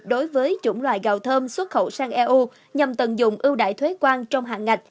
đối với chủng loại gạo thơm xuất khẩu sang eu nhằm tận dụng ưu đại thuế quan trong hạn ngạch